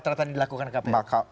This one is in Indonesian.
terhadap dilakukan kpu